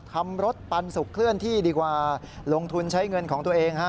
ทำรถปันสุกเคลื่อนที่ดีกว่าลงทุนใช้เงินของตัวเองฮะ